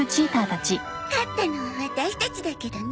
勝ったのはワタシたちだけどね。